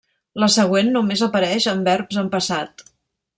La següent només apareix en verbs en passat.